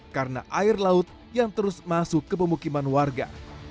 karena air laut yang terus masuk ke pemukiman warga